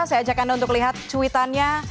saya ajak anda untuk lihat cuitannya